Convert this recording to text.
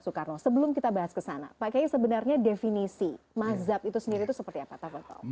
sebelum kita bahas ke sana pak kiai sebenarnya definisi mazhab itu sendiri itu seperti apa